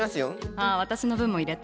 ああ私の分も入れて。